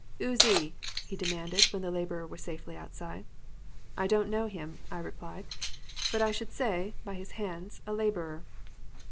"'Oo's 'e?' he demanded, when the laborer was safely outside. "'I don't know him,' I replied, 'but I should say, by his hands, a laborer.'